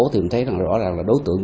thì mình thấy rằng rõ ràng là đối tượng